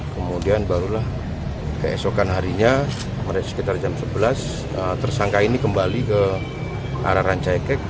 kemudian barulah keesokan harinya sekitar jam sebelas tersangka ini kembali ke arah rancaikek